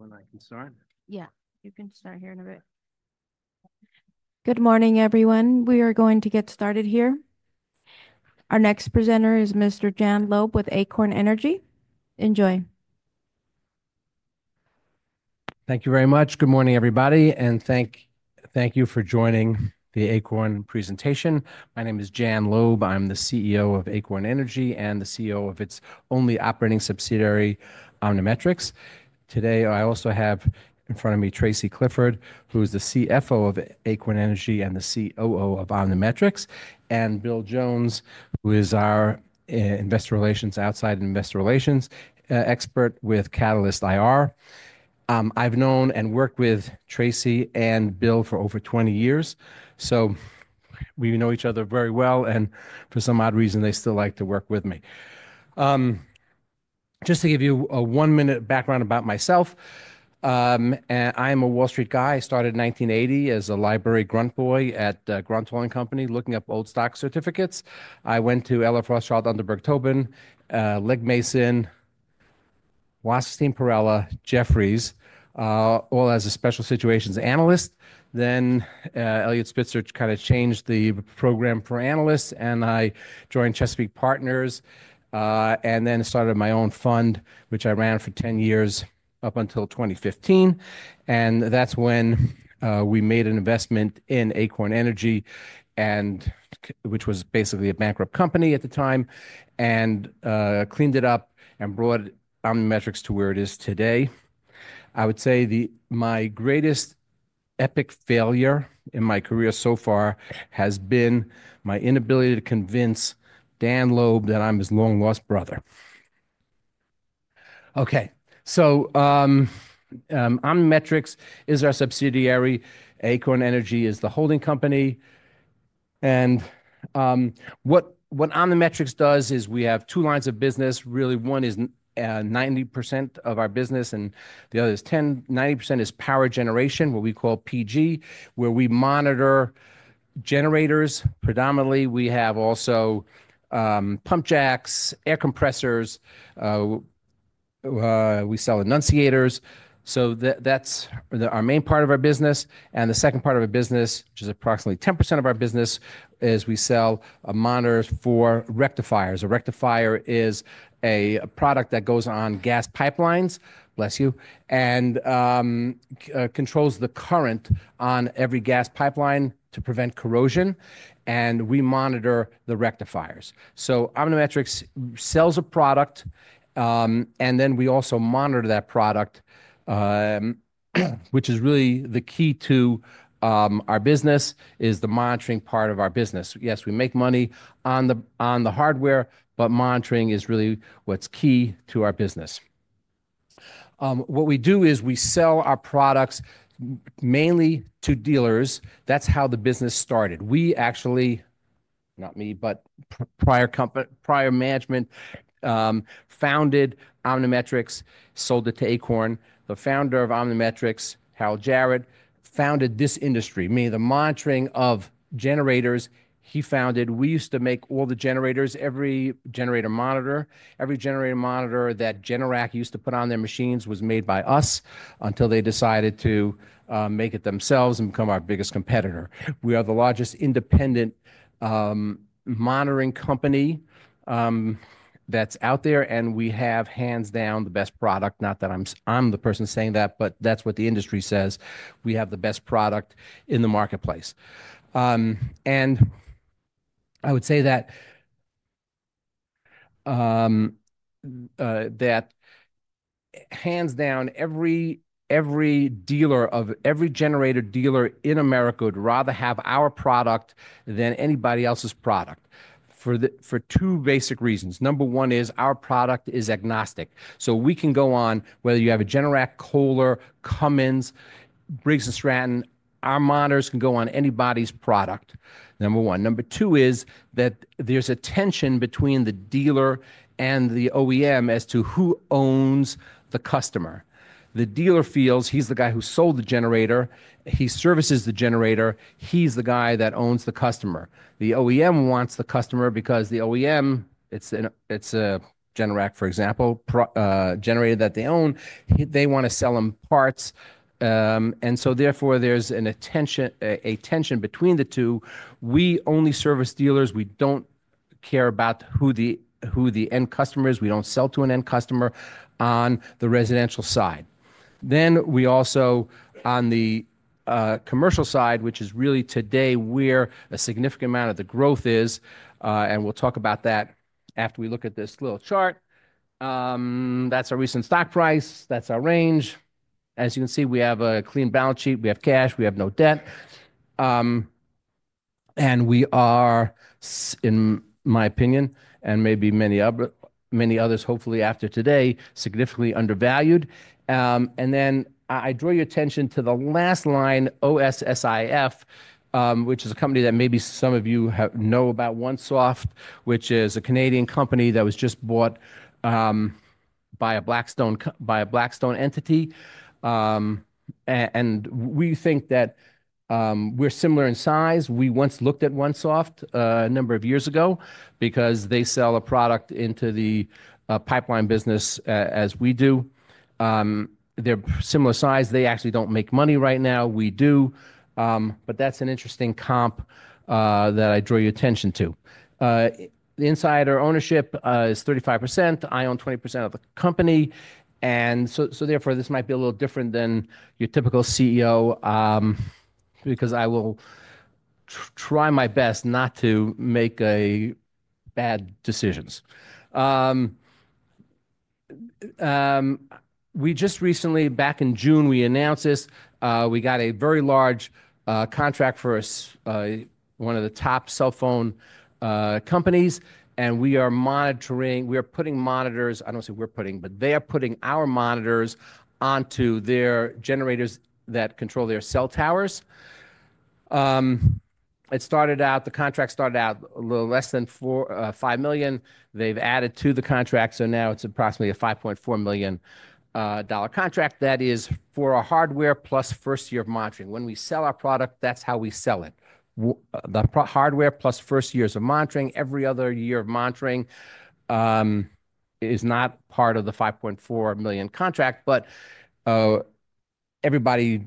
We're not concerned. Yeah, you can start hearing a bit. Good morning, everyone. We are going to get started here. Our next presenter is Mr. Jan Loeb with Acorn Energy. Enjoy. Thank you very much. Good morning, everybody, and thank you for joining the Acorn presentation. My name is Jan Loeb. I'm the CEO of Acorn Energy and the CEO of its only operating subsidiary, OmniMetrix. Today, I also have in front of me Tracy Clifford, who is the CFO of Acorn Energy and the COO of OmniMetrix, and Bill Jones, who is our investor relations outside investor relations expert with Catalyst IR. I've known and worked with Tracy and Bill for over 20 years, so we know each other very well. For some odd reason, they still like to work with me. Just to give you a one-minute background about myself, I'm a Wall Street guy. I started in 1980 as a library grunt boy at Grunt Oil and Company looking up old stock certificates. I went to Ella Frost, Charlotte Thunderbird, Tobin, Legg Mason, Washington, Perella, Jefferies, all as a special situations analyst. Then Eliot Spitzer kind of changed the program for analysts, and I joined Chesapeake Partners and then started my own fund, which I ran for 10 years up until 2015. That's when we made an investment in Acorn Energy, which was basically a bankrupt company at the time, and cleaned it up and brought OmniMetrix to where it is today. I would say my greatest epic failure in my career so far has been my inability to convince Dan Loeb that I'm his long-lost brother. Okay, so OmniMetrix is our subsidiary. Acorn Energy is the holding company. What OmniMetrix does is we have two lines of business. Really, one is 90% of our business and the other is 10%. Ninety percent is power generation, what we call PG, where we monitor generators. Predominantly, we have also pump jacks, air compressors. We sell enunciators. That is our main part of our business. The second part of our business, which is approximately 10% of our business, is we sell a monitor for rectifiers. A rectifier is a product that goes on gas pipelines, bless you, and controls the current on every gas pipeline to prevent corrosion. We monitor the rectifiers. OmniMetrix sells a product, and then we also monitor that product, which is really the key to our business, the monitoring part of our business. Yes, we make money on the hardware, but monitoring is really what is key to our business. What we do is we sell our products mainly to dealers. That's how the business started. We actually, not me, but prior management founded OmniMetrix, sold it to Acorn. The founder of OmniMetrix, Harold Jarrod, founded this industry. Meaning the monitoring of generators, he founded. We used to make all the generators, every generator monitor. Every generator monitor that Generac used to put on their machines was made by us until they decided to make it themselves and become our biggest competitor. We are the largest independent monitoring company that's out there, and we have hands down the best product. Not that I'm the person saying that, but that's what the industry says. We have the best product in the marketplace. I would say that hands down every dealer of every generator dealer in America would rather have our product than anybody else's product for two basic reasons. Number one is our product is agnostic. We can go on whether you have a Generac, Kohler, Cummins, Briggs & Stratton, our monitors can go on anybody's product. Number one. Number two is that there's a tension between the dealer and the OEM as to who owns the customer. The dealer feels he's the guy who sold the generator. He services the generator. He's the guy that owns the customer. The OEM wants the customer because the OEM, it's a Generac, for example, generator that they own. They want to sell them parts. Therefore, there's a tension between the two. We only service dealers. We don't care about who the end customer is. We don't sell to an end customer on the residential side. We also on the commercial side, which is really today where a significant amount of the growth is. We will talk about that after we look at this little chart. That is our recent stock price. That is our range. As you can see, we have a clean balance sheet. We have cash. We have no debt. We are, in my opinion, and maybe many others, hopefully after today, significantly undervalued. I draw your attention to the last line, OSSIF, which is a company that maybe some of you know about, OneSoft, which is a Canadian company that was just bought by a Blackstone entity. We think that we are similar in size. We once looked at OneSoft a number of years ago because they sell a product into the pipeline business as we do. They are similar size. They actually do not make money right now. We do. That is an interesting comp that I draw your attention to. Insider ownership is 35%. I own 20% of the company. Therefore, this might be a little different than your typical CEO because I will try my best not to make bad decisions. We just recently, back in June, we announced this. We got a very large contract for one of the top cell phone companies. We are monitoring. We are putting monitors. I do not say we are putting, but they are putting our monitors onto their generators that control their cell towers. It started out, the contract started out a little less than $5 million. They have added to the contract. Now it is approximately a $5.4 million contract. That is for our hardware plus first year of monitoring. When we sell our product, that is how we sell it. The hardware plus first years of monitoring, every other year of monitoring is not part of the $5.4 million contract, but everybody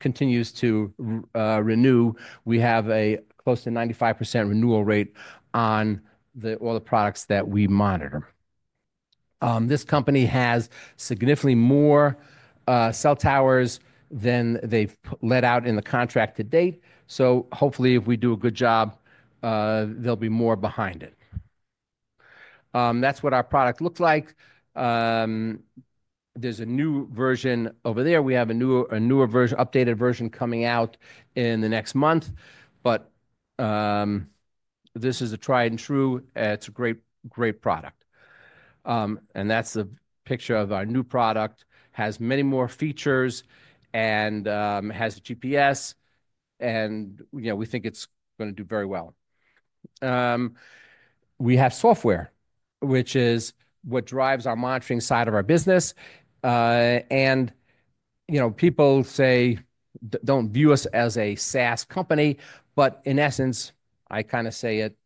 continues to renew. We have a close to 95% renewal rate on all the products that we monitor. This company has significantly more cell towers than they've let out in the contract to date. Hopefully if we do a good job, there will be more behind it. That is what our product looks like. There is a new version over there. We have a newer version, updated version coming out in the next month. This is a tried and true. It is a great product. That is the picture of our new product. Has many more features and has GPS. We think it is going to do very well. We have software, which is what drives our monitoring side of our business. People say, "Don't view us as a SaaS company." In essence, I kind of say it,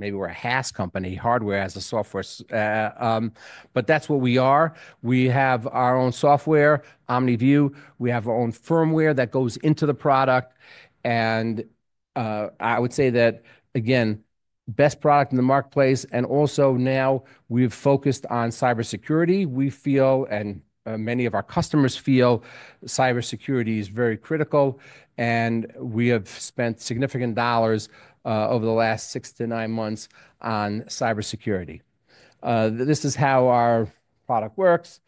maybe we're a HaaS company, hardware as a software. That's what we are. We have our own software, Omniview. We have our own firmware that goes into the product. I would say that, again, best product in the marketplace. Also now we've focused on cybersecurity. We feel, and many of our customers feel, cybersecurity is very critical. We have spent significant dollars over the last six to nine months on cybersecurity. This is how our product works.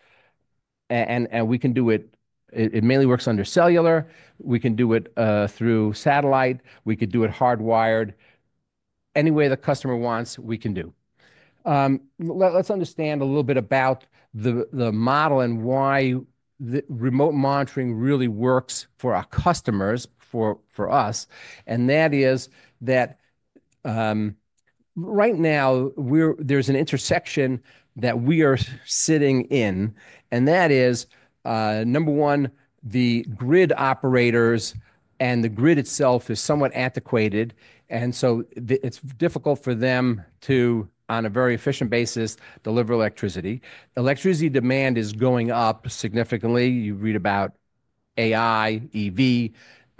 We can do it. It mainly works under cellular. We can do it through satellite. We could do it hardwired. Any way the customer wants, we can do. Let's understand a little bit about the model and why remote monitoring really works for our customers, for us. Right now there's an intersection that we are sitting in. That is, number one, the grid operators and the grid itself is somewhat antiquated. It is difficult for them to, on a very efficient basis, deliver electricity. Electricity demand is going up significantly. You read about AI, EV,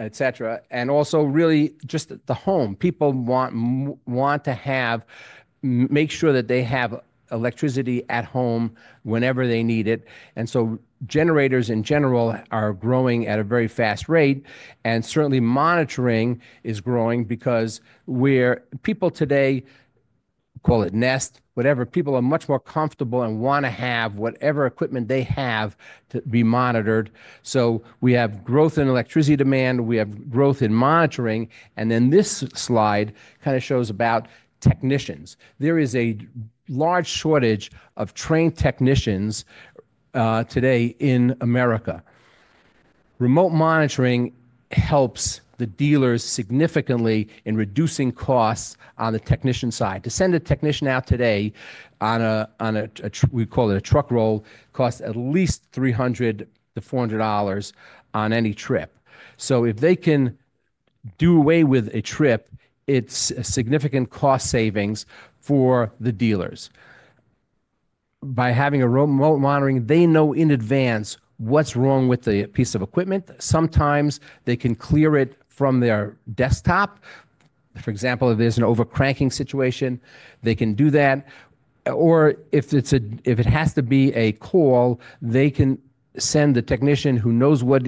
etc. Also, really just the home. People want to make sure that they have electricity at home whenever they need it. Generators in general are growing at a very fast rate. Certainly monitoring is growing because people today, call it Nest, whatever, people are much more comfortable and want to have whatever equipment they have to be monitored. We have growth in electricity demand. We have growth in monitoring. This slide kind of shows about technicians. There is a large shortage of trained technicians today in America. Remote monitoring helps the dealers significantly in reducing costs on the technician side. To send a technician out today on a, we call it a truck roll, costs at least $300-$400 on any trip. If they can do away with a trip, it is significant cost savings for the dealers. By having remote monitoring, they know in advance what is wrong with the piece of equipment. Sometimes they can clear it from their desktop. For example, if there is an overcranking situation, they can do that. If it has to be a call, they can send the technician who knows what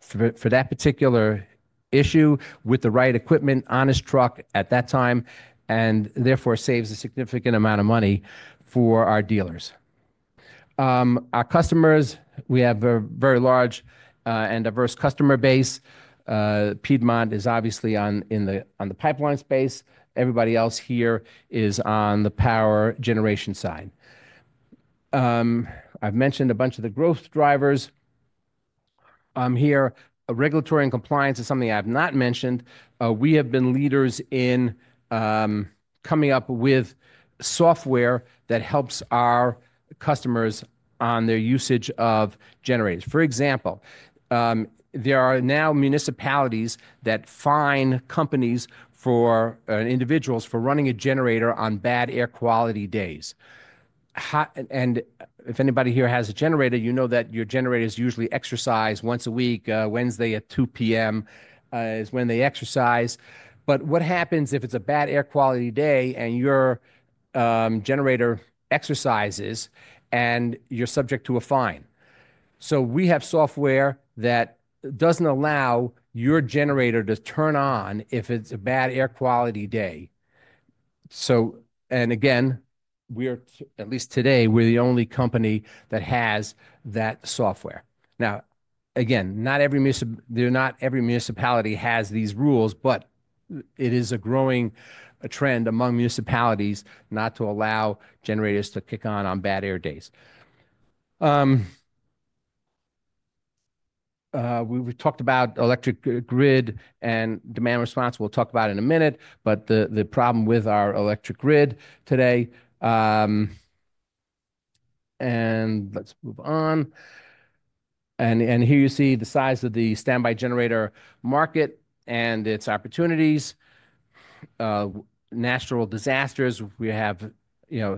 for that particular issue with the right equipment on his truck at that time. Therefore, it saves a significant amount of money for our dealers. Our customers, we have a very large and diverse customer base. Pedemonte is obviously on the pipeline space. Everybody else here is on the power generation side. I've mentioned a bunch of the growth drivers here. Regulatory and compliance is something I've not mentioned. We have been leaders in coming up with software that helps our customers on their usage of generators. For example, there are now municipalities that fine companies or individuals for running a generator on bad air quality days. If anybody here has a generator, you know that your generator is usually exercised once a week. Wednesday at 2:00 P.M. is when they exercise. What happens if it's a bad air quality day and your generator exercises and you're subject to a fine? We have software that does not allow your generator to turn on if it's a bad air quality day. Again, we are, at least today, we're the only company that has that software. Now, again, not every municipality has these rules, but it is a growing trend among municipalities not to allow generators to kick on on bad air days. We have talked about electric grid and demand response. We will talk about it in a minute, but the problem with our electric grid today. Let's move on. Here you see the size of the standby generator market and its opportunities. Natural disasters, we have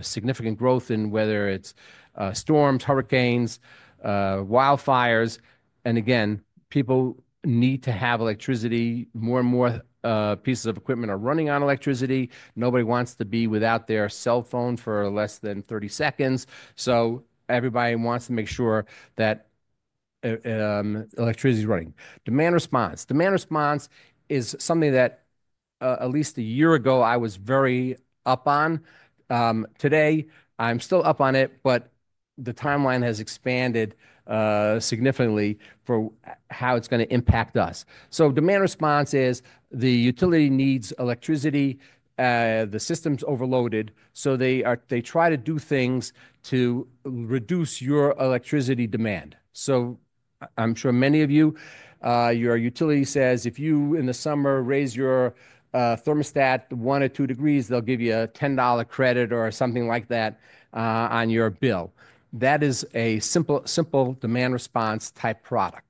significant growth in whether it is storms, hurricanes, wildfires. Again, people need to have electricity. More and more pieces of equipment are running on electricity. Nobody wants to be without their cell phone for less than 30 seconds. Everybody wants to make sure that electricity is running. Demand response. Demand response is something that at least a year ago I was very up on. Today, I'm still up on it, but the timeline has expanded significantly for how it's going to impact us. Demand response is the utility needs electricity. The system's overloaded. They try to do things to reduce your electricity demand. I'm sure many of you, your utility says, if you in the summer raise your thermostat one or two degrees, they'll give you a $10 credit or something like that on your bill. That is a simple demand response type product.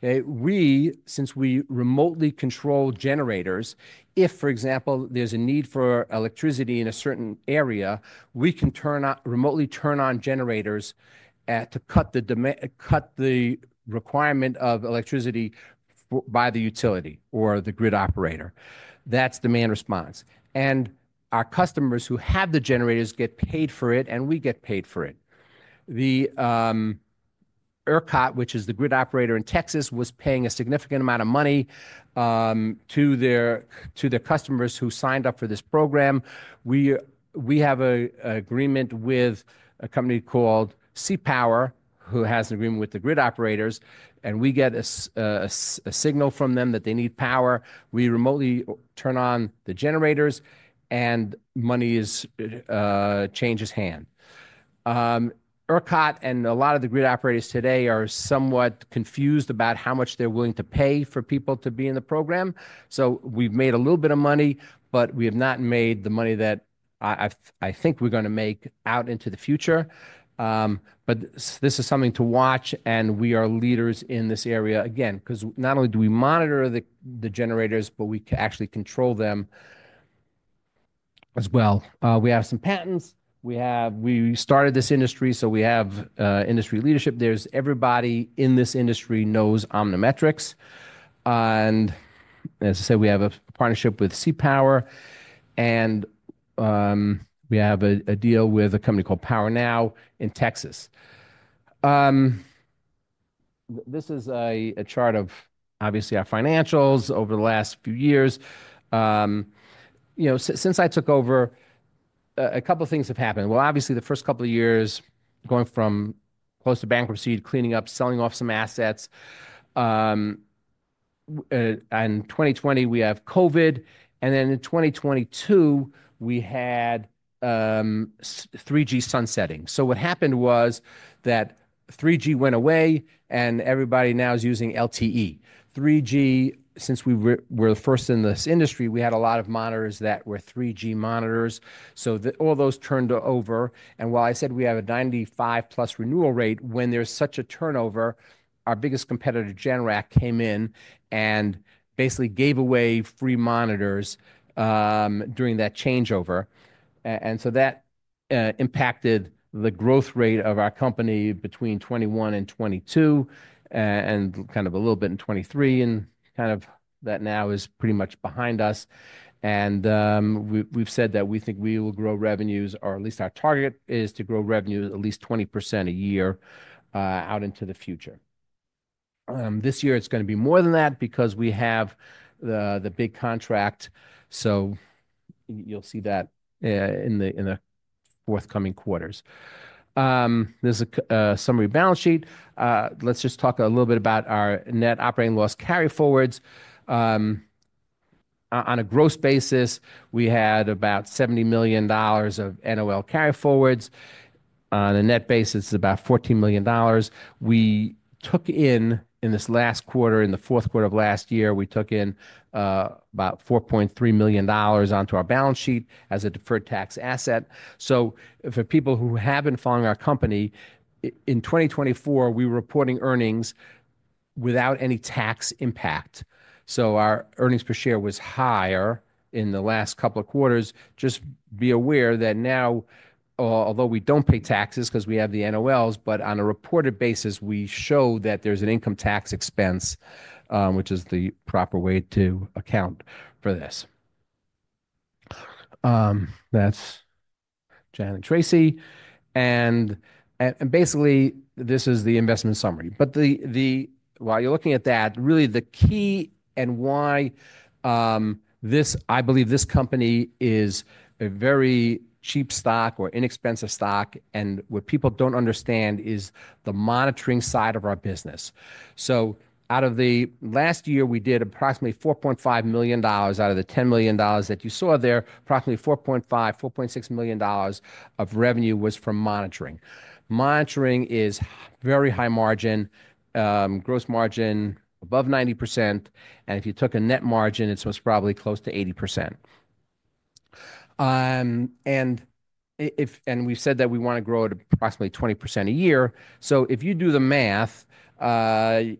Since we remotely control generators, if for example, there's a need for electricity in a certain area, we can remotely turn on generators to cut the requirement of electricity by the utility or the grid operator. That's demand response. Our customers who have the generators get paid for it, and we get paid for it. The ERCOT, which is the grid operator in Texas, was paying a significant amount of money to their customers who signed up for this program. We have an agreement with a company called C Power, who has an agreement with the grid operators. We get a signal from them that they need power. We remotely turn on the generators, and money changes hands. ERCOT and a lot of the grid operators today are somewhat confused about how much they're willing to pay for people to be in the program. We have made a little bit of money, but we have not made the money that I think we're going to make out into the future. This is something to watch, and we are leaders in this area. Again, because not only do we monitor the generators, but we can actually control them as well. We have some patents. We started this industry, so we have industry leadership. Everybody in this industry knows OmniMetrix. As I said, we have a partnership with C Power. We have a deal with a company called PowerNow in Texas. This is a chart of, obviously, our financials over the last few years. Since I took over, a couple of things have happened. The first couple of years going from close to bankruptcy, cleaning up, selling off some assets. In 2020, we have COVID. In 2022, we had 3G sunsetting. What happened was that 3G went away, and everybody now is using LTE. 3G, since we were the first in this industry, we had a lot of monitors that were 3G monitors. All those turned over. While I said we have a 95% plus renewal rate, when there is such a turnover, our biggest competitor, Generac, came in and basically gave away free monitors during that changeover. That impacted the growth rate of our company between 2021 and 2022 and kind of a little bit in 2023. That now is pretty much behind us. We have said that we think we will grow revenues, or at least our target is to grow revenues at least 20% a year out into the future. This year, it is going to be more than that because we have the big contract. You will see that in the forthcoming quarters. There is a summary balance sheet. Let's just talk a little bit about our net operating loss carryforwards. On a gross basis, we had about $70 million of NOL carryforwards. On a net basis, it is about $14 million. We took in, in this last quarter, in the fourth quarter of last year, we took in about $4.3 million onto our balance sheet as a deferred tax asset. For people who have not followed our company, in 2024, we were reporting earnings without any tax impact. Our earnings per share was higher in the last couple of quarters. Just be aware that now, although we do not pay taxes because we have the NOLs, on a reported basis, we show that there is an income tax expense, which is the proper way to account for this. That is Jan and Tracy. Basically, this is the investment summary. While you are looking at that, really the key and why this, I believe this company is a very cheap stock or inexpensive stock. What people do not understand is the monitoring side of our business. Out of the last year, we did approximately $4.5 million out of the $10 million that you saw there, approximately $4.5 million, $4.6 million of revenue was from monitoring. Monitoring is very high margin, gross margin above 90%. If you took a net margin, it's most probably close to 80%. We've said that we want to grow at approximately 20% a year. If you do the math, figure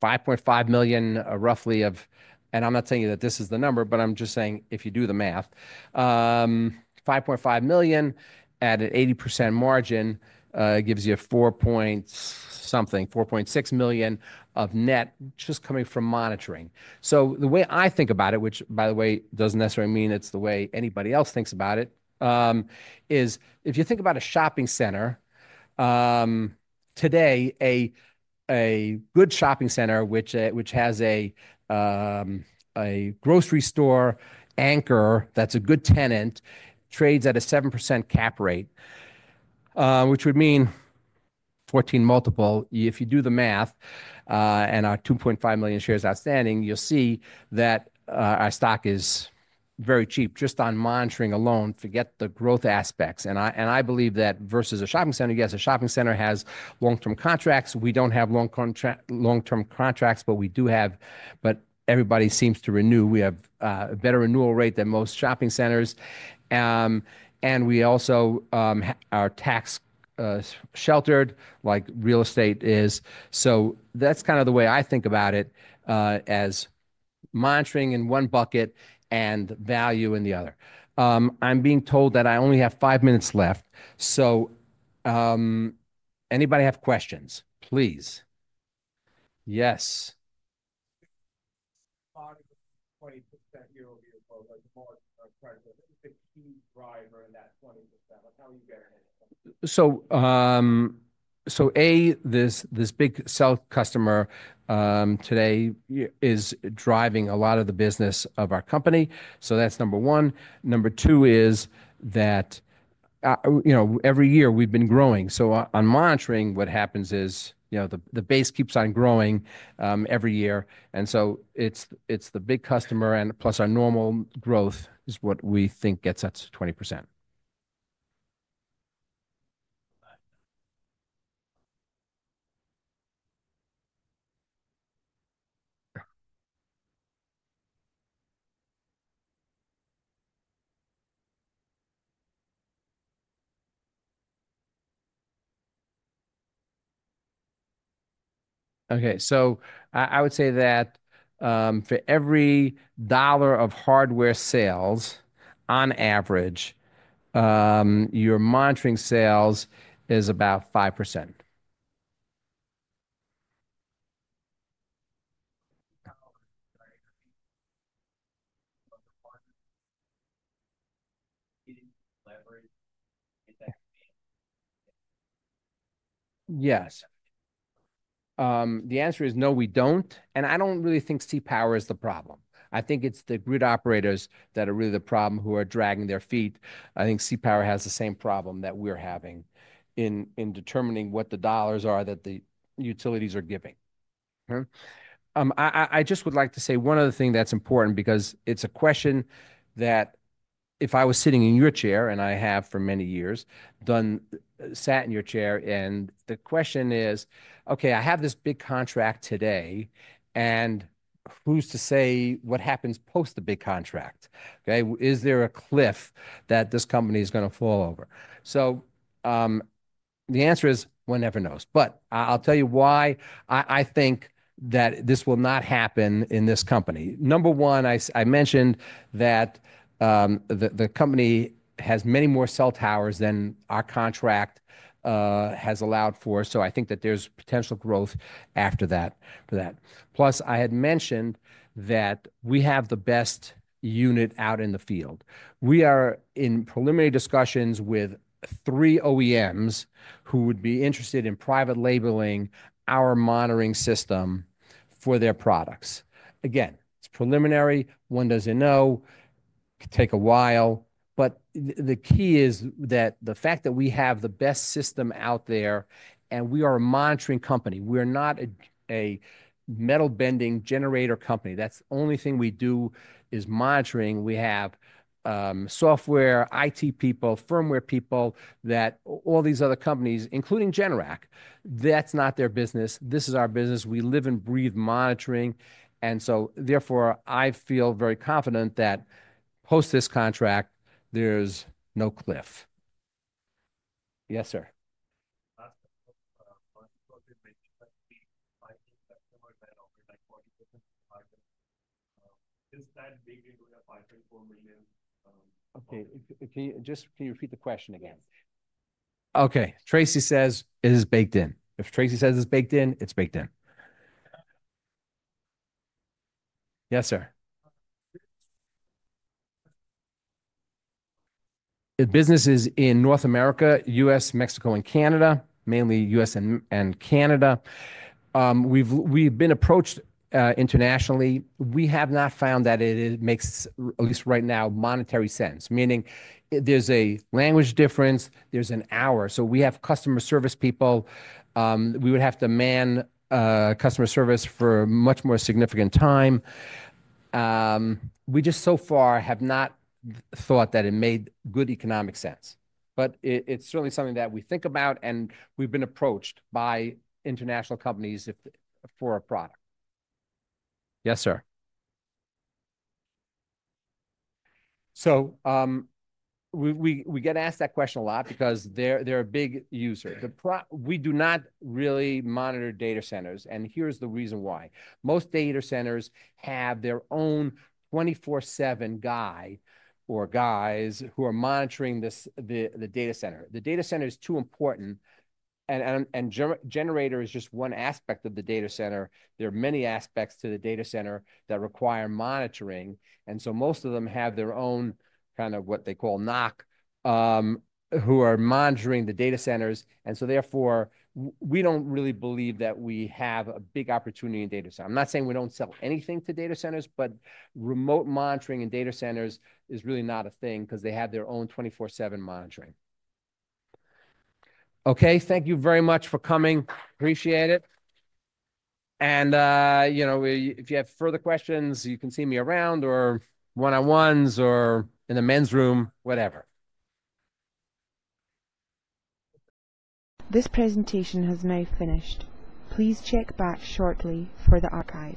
$5.5 million roughly of, and I'm not saying that this is the number, but I'm just saying if you do the math, $5.5 million at an 80% margin gives you a 4 point something, $4.6 million of net just coming from monitoring. The way I think about it, which by the way, doesn't necessarily mean it's the way anybody else thinks about it, is if you think about a shopping center today, a good shopping center, which has a grocery store anchor that's a good tenant, trades at a 7% cap rate, which would mean 14 multiple. If you do the math and our 2.5 million shares outstanding, you'll see that our stock is very cheap just on monitoring alone. Forget the growth aspects. I believe that versus a shopping center, yes, a shopping center has long-term contracts. We don't have long-term contracts, but we do have, but everybody seems to renew. We have a better renewal rate than most shopping centers. We also are tax-sheltered like real estate is. That's kind of the way I think about it as monitoring in one bucket and value in the other. I'm being told that I only have five minutes left. Anybody have questions, please. Yes. this big sales customer today is driving a lot of the business of our company. That's number one. Number two is that every year we've been growing. On monitoring, what happens is the base keeps on growing every year. It's the big customer, and plus our normal growth is what we think gets us 20%. I would say that for every dollar of hardware sales, on average, your monitoring sales is about 5%. Yes. The answer is no, we don't. I don't really think C Power is the problem. I think it's the grid operators that are really the problem who are dragging their feet. I think C Power has the same problem that we're having in determining what the dollars are that the utilities are giving. I just would like to say one other thing that's important because it's a question that if I was sitting in your chair and I have for many years, sat in your chair, and the question is, okay, I have this big contract today, and who's to say what happens post the big contract? Is there a cliff that this company is going to fall over? The answer is one never knows. I'll tell you why I think that this will not happen in this company. Number one, I mentioned that the company has many more cell towers than our contract has allowed for. I think that there's potential growth after that. Plus, I had mentioned that we have the best unit out in the field. We are in preliminary discussions with three OEMs who would be interested in private labeling our monitoring system for their products. Again, it's preliminary. One doesn't know. It could take a while. The key is that the fact that we have the best system out there and we are a monitoring company. We're not a metal-bending generator company. That's the only thing we do is monitoring. We have software, IT people, firmware people that all these other companies, including Generac, that's not their business. This is our business. We live and breathe monitoring. Therefore, I feel very confident that post this contract, there's no cliff. Yes, sir. Is that baked into a $5.4 million? Okay. Just can you repeat the question again? Okay. Tracy says it is baked in. If Tracy says it's baked in, it's baked in. Yes, sir. The business is in North America, U.S., Mexico, and Canada, mainly U.S. and Canada. We've been approached internationally. We have not found that it makes, at least right now, monetary sense, meaning there's a language difference. There's an hour. We have customer service people. We would have to man customer service for much more significant time. We just so far have not thought that it made good economic sense. It is certainly something that we think about, and we've been approached by international companies for a product. Yes, sir. We get asked that question a lot because they're a big user. We do not really monitor data centers. Here's the reason why. Most data centers have their own 24/7 guy or guys who are monitoring the data center. The data center is too important. Generator is just one aspect of the data center. There are many aspects to the data center that require monitoring. Most of them have their own kind of what they call NOC who are monitoring the data centers. Therefore, we do not really believe that we have a big opportunity in data centers. I am not saying we do not sell anything to data centers, but remote monitoring in data centers is really not a thing because they have their own 24/7 monitoring. Okay. Thank you very much for coming. Appreciate it. If you have further questions, you can see me around or one-on-ones or in the men's room, whatever. This presentation has now finished. Please check back shortly for the archive.